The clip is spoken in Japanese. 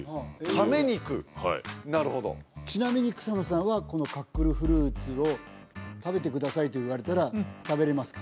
カメ肉なるほどはいちなみに草野さんはこのカックル・フルーツを食べてくださいと言われたら食べれますか？